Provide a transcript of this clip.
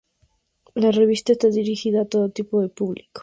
La revista está dirigida a todo tipo de público.